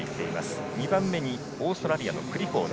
２番目、オーストラリアのクリフォード。